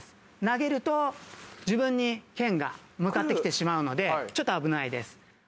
投げると自分にけんが向かってきてしまうのでちょっと危ないです。